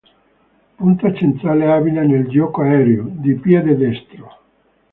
Punta centrale abile nel gioco aereo, di piede destro.